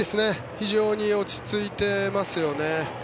非常に落ち着いてますよね。